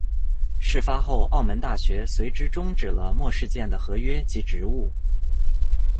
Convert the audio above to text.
事发后澳门大学随之终止了莫世健的合约及职务。